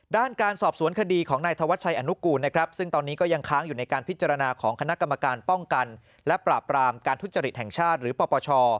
ด้านการสอบสวนคดีของนายธวัชชัยอนุกูลนะครับซึ่งตอนนี้ก็ยังค้างอยู่ในการพิจารณาของคณะกรรมการป้องกันและปราบรามการทุจริตแห่งชาติหรือปปช